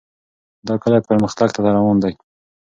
دا کلی پرمختګ ته روان دی.